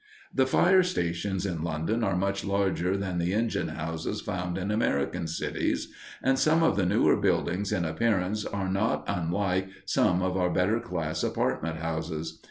The fire stations in London are much larger than the engine houses found in American cities, and some of the newer buildings in appearance are not unlike some of our better class apartment houses.